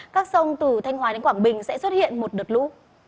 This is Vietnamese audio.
các sông từ thanh hóa đến quảng bình sẽ xuất hiện một đợt lũ